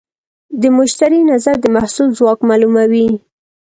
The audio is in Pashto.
د مشتری نظر د محصول ځواک معلوموي.